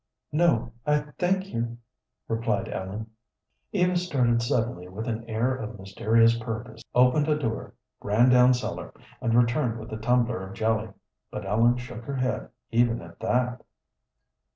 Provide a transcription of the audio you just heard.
"No; I thank you," replied Ellen. Eva started suddenly with an air of mysterious purpose, opened a door, ran down cellar, and returned with a tumbler of jelly, but Ellen shook her head even at that.